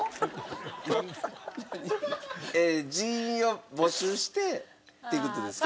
人員を募集してっていう事ですか？